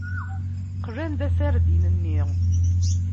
Qlan-d aserdin-nni.